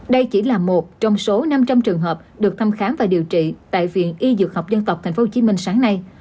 đây chỉ là một trong số năm trăm linh trường hợp được thăm khám và điều trị tại viện y dược học dân tộc tp hcm sáng nay